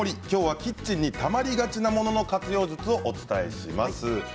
きょうはキッチンにたまりがちなものの活用術をお伝えします。